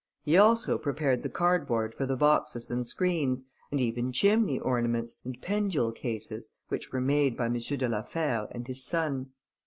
He also prepared the card board for the boxes and screens, and even chimney ornaments, and pendule cases, which were made by M. de la Fère and his son.